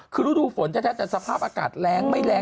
คือฤดูฝนแท้แต่สภาพอากาศแรงไม่แรง